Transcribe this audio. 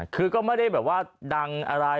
คือก็ไม่ได้แบบว่าดังอะไร